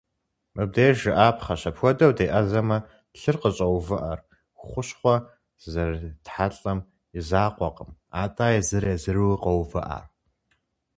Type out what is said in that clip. Мыбдеж жыӏапхъэщ, апхуэдэу деӏэзэмэ, лъыр къыщӏэувыӏэр хущхъуэ зэретхьэлӏэм и закъуэкъым, атӏэ езыр-езырури къоувыӏэр.